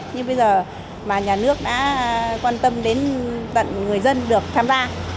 nhưng bây giờ mà nhà nước đã quan tâm đến tận người dân được tham gia